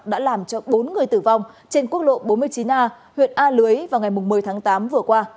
đã làm cho bốn người tử vong trên quốc lộ bốn mươi chín a huyện a lưới vào ngày một mươi tháng tám vừa qua